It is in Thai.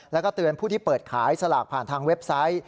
แล้วก็เตือนผู้ที่เปิดขายสลากผ่านทางเว็บไซต์